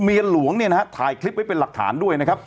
หลวงเนี่ยนะฮะถ่ายคลิปไว้เป็นหลักฐานด้วยนะครับ